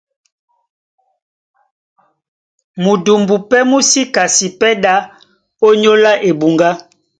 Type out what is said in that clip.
Mudumbu pɛ́ mú sí kasi pɛ́ ɗá ónyólá ebuŋgá.